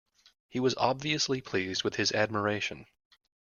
He was obviously pleased with his admiration.